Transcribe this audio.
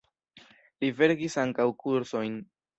Li verkis ankaŭ kursojn.